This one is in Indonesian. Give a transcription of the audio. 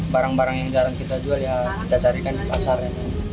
barang barang yang jarang kita jual ya kita carikan di pasarnya